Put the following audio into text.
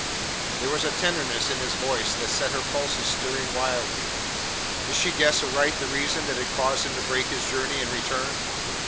There was a tenderness in his voice that set her pulses stirring wildly. Did she guess aright the reason that had caused him to break his journey and return?